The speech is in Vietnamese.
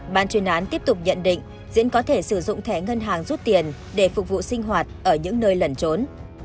ban chuyên án tiếp tục nhận định diễn có thể sử dụng thẻ ngân hàng rút tiền để phục vụ sinh hoạt ở những nơi lẩn trốn